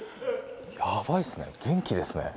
やばいですね元気ですね。